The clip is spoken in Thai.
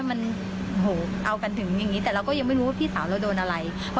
มันเหมือนมีไฟที่ไม่รู้ค่ะเหมือนโดนทำร้ายอ่ะ